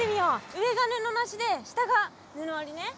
上が布なしで下が布ありね。